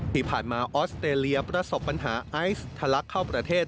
ที่ผ่านมาออสเตรเลียประสบปัญหาไอซ์ทะลักเข้าประเทศ